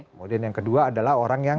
kemudian yang kedua adalah orang yang